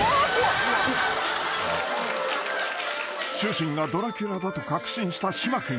［主人がドラキュラだと確信した島君。